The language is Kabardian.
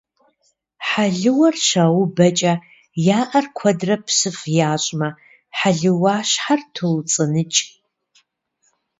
Хьэлыуэр щаубэкӏэ я ӏэр куэдрэ псыф ящӏмэ, хьэлыуащхьэр тоуцӏыныкӏ.